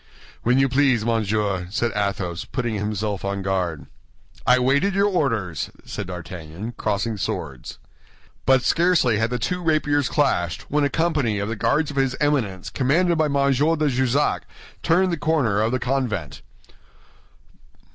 "When you please, monsieur," said Athos, putting himself on guard. "I waited your orders," said D'Artagnan, crossing swords. But scarcely had the two rapiers clashed, when a company of the Guards of his Eminence, commanded by M. de Jussac, turned the corner of the convent.